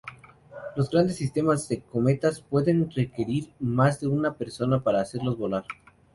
Los grandes sistemas de cometas pueden requerir más de una persona para hacerlos volar.